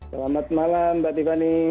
selamat malam mbak tiffany